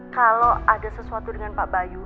kalau ada sesuatu dengan pak bayu